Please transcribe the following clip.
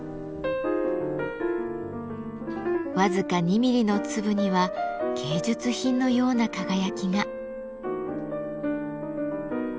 僅か２ミリの粒には芸術品のような輝きが。